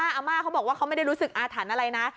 อาม่าเขาบอกว่าเขาไม่ได้รู้สึกอาถรรพ์อะไรนะ